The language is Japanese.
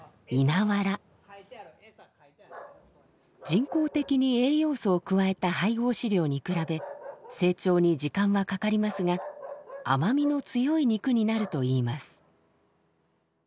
人工的に栄養素を加えた配合飼料に比べ成長に時間はかかりますが甘みの強い肉になるといいます。